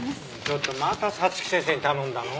ちょっとまた早月先生に頼んだの？